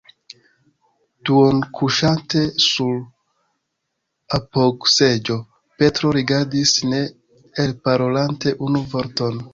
Duonkuŝante sur apogseĝo, Petro rigardis, ne elparolante unu vorton.